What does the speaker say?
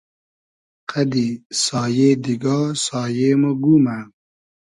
قئدی سایې دیگا سایې مۉ گومۂ